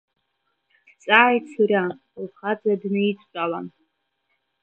Дҵааит Суриа, лхаҵа днаидтәалан.